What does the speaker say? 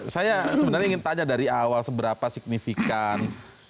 saya sebenarnya ingin tanya dari awal seberapa signifikan